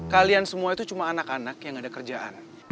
kalian semua itu cuma anak anak yang ada kerjaan